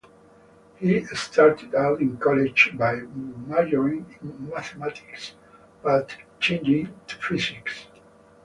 She started out in college by majoring in mathematics but changed to physics.